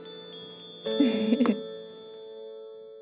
フフフッ。